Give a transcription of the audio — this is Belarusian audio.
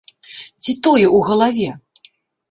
Ці тое ў галаве?